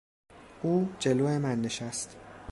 او جلو من نشست.